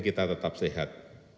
kita harus tetap sehat